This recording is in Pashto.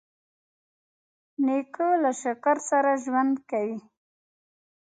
نیکه له شکر سره ژوند کوي.